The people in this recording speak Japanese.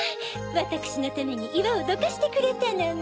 わたくしのためにいわをどかしてくれたのね。